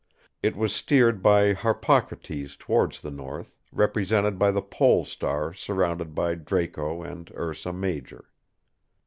It was steered by Harpocrates towards the north, represented by the Pole Star surrounded by Draco and Ursa Major.